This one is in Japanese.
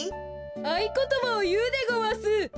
あいことばをいうでごわす。